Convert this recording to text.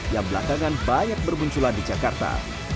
yang belakangan banyak bermunculan di jakarta